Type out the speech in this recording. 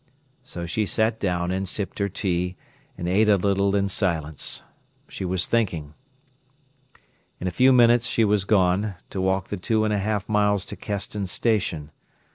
So she sat down and sipped her tea, and ate a little, in silence. She was thinking. In a few minutes she was gone, to walk the two and a half miles to Keston Station.